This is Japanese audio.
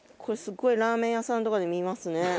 これすっごいラーメン屋さんとかで見ますね。